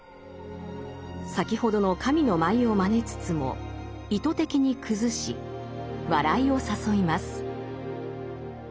先ほどの神の舞をまねつつも意図的に崩し笑いを誘います。